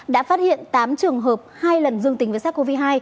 đã phát hiện tám trường hợp hai lần dương tính với sars cov hai